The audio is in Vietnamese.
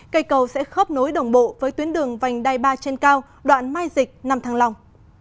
cây cầu sẽ khớp nối đồng bộ với tuyến đường vành đai ba trên cao đoạn mai dịch năm thăng long